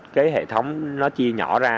cái hệ thống nó chia nhỏ ra